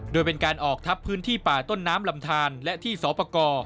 โดยเป็นการออกทับพื้นที่ป่าต้นน้ำลำทานและที่สอปกร